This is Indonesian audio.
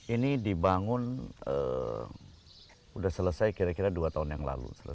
ini dibangun sudah selesai kira kira dua tahun yang lalu